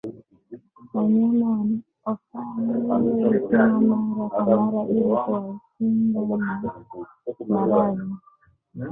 Wanyama wafanyiwe vipimo mara kwa mara ili kuwakinga na maradhi